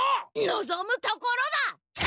のぞむところだ！